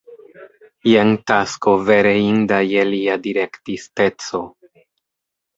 Jen tasko vere inda je lia direktisteco.